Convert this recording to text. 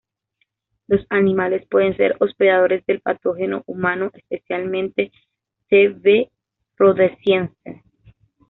Los animales pueden ser hospedadores del patógeno humano, especialmente "T.b.rhodesiense.